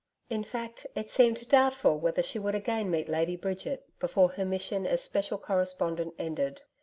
In fact, it seemed doubtful whether she would again meet Lady Bridget before her mission as Special Correspondent ended.